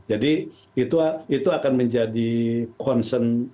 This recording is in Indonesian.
jadi itu akan menjadi concern